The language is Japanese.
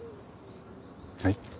はい？